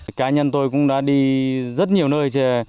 cá nhân tôi cũng đã đi rất nhiều nơi